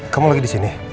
kamu lagi disini